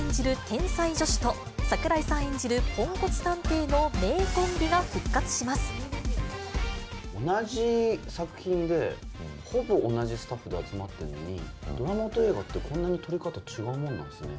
天才助手と、櫻井さん演じるポンコツ探偵の名同じ作品で、ほぼ同じスタッフで集まってるのに、ドラマと映画って、こんなに撮り方違うもんなんですね。